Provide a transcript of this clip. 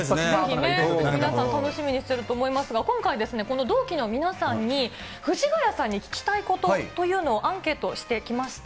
皆さん楽しみにしてると思いますが、今回、この同期の皆さんに藤ヶ谷さんに聞きたいことというのをアンケートしてきました。